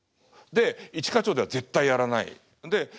で「一課長」では絶対やらない。